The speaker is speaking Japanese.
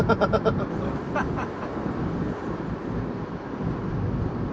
ハハハッ！